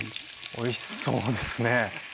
おいしそうですね。